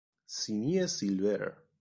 سینی سیلور